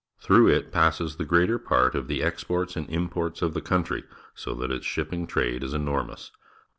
Through it passes the greater part of the exports and imports of the country, so that its shipping trade is enormous.